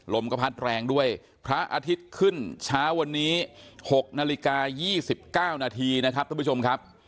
ลมก็พัดแรงด้วยพระอาทิตย์ขึ้นเช้าวันนี้๖นาฬิกา๒๙นาทีนะครับทุกผู้ชมครับ